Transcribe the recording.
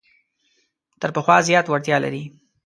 تر پخوا زیاته وړتیا لري.